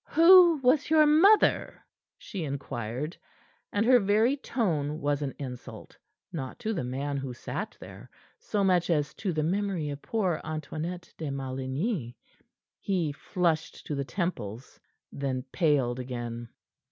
"Who was your mother?" she inquired, and her very tone was an insult, not to the man who sat there so much as to the memory of poor Antoinette de Maligny. He flushed to the temples, then paled again.